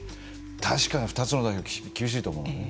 確かに２つの代表は厳しいと思う。